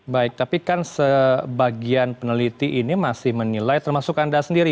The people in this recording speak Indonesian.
baik tapi kan sebagian peneliti ini masih menilai termasuk anda sendiri